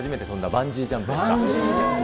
バンジージャンプ。